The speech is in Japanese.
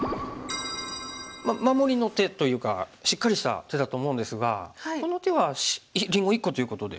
守りの手というかしっかりした手だと思うんですがこの手はりんご１個ということで。